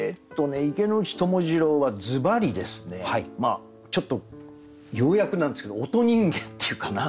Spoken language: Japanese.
池内友次郎はずばりですねちょっと要約なんですけど音人間っていうかな？